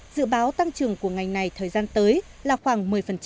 dự báo tăng trưởng của ngành này thời gian tới là khoảng một mươi